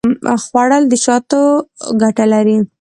خوړل د شاتو ګټه لري